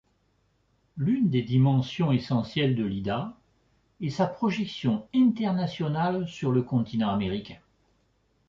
L’une des dimensions essentielles de l’IdA est sa projection internationale sur le continent américain.